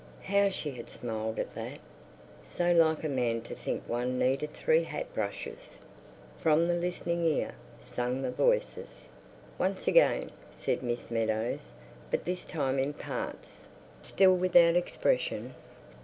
How she had smiled at that! So like a man to think one needed three hat brushes! From the Listening Ear, sang the voices. "Once again," said Miss Meadows. "But this time in parts. Still without expression."